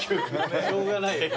しょうがないよ。